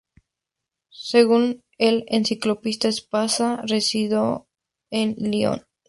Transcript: Según la Enciclopedia Espasa, residió en Lyon.